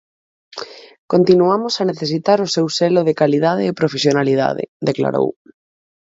"Continuamos a necesitar o seu selo de calidade e profesionalidade", declarou.